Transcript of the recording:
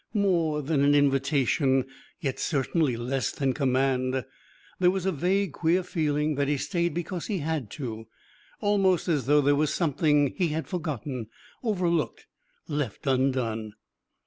More than invitation, yet certainly less than command, there was a vague queer feeling that he stayed because he had to, almost as though there was something he had forgotten, overlooked, left undone.